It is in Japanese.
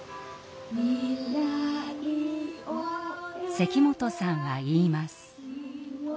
関本さんは言います。